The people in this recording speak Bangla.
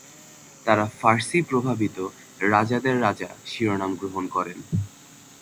তারা ফার্সি-প্রভাবিত "রাজাদের রাজা" শিরোনাম গ্রহণ করেন।